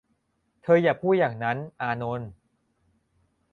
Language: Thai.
เธออย่าพูดอย่างนั้น อานนท์